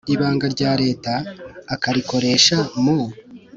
ibanga rya Leta akarikoresha mu